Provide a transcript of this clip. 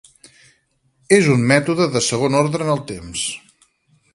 És un mètode de segon ordre en el temps.